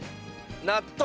納豆。